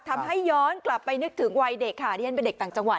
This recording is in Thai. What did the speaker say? ทำให้ย้อนกลับไปนึกถึงวัยเด็กดิฉันเป็นเด็กต่างจังหวัด